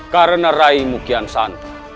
karena rai mukian santo